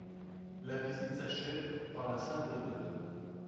La visite s'achève par la salle d'honneur.